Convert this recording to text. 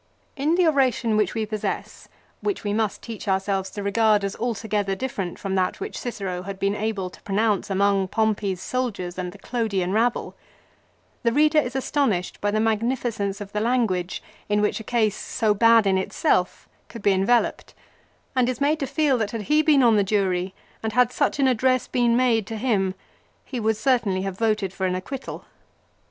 80 LIFE OF CICERO. In the oration which we possess, which we must teach ourselves to regard as altogether different from that which Cicero had been able to pronounce among Pompey's soldiers and the Clodian rabble, the reader is astonished by the magnificence of the language in which a case so bad in itself, could be enveloped, and is made to feel that had he been on the jury and had such an address been made to him, he would certainly have voted for an acquittal.